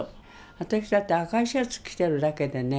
私だって赤いシャツ着てるだけでね